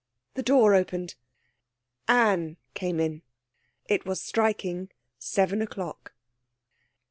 The door opened; Anne came in. It was striking seven o'clock.